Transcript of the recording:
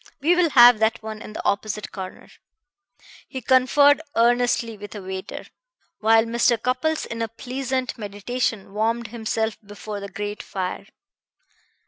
We will have that one in the opposite corner." He conferred earnestly with a waiter, while Mr. Cupples, in a pleasant meditation, warmed himself before the great fire.